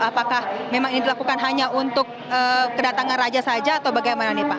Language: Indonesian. apakah memang ini dilakukan hanya untuk kedatangan raja saja atau bagaimana nih pak